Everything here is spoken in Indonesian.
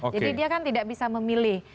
jadi dia kan tidak bisa memilih